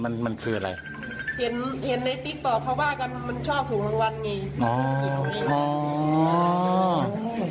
เห็นในที่ตกเขาว่ากันมันชอบหั่งวันไง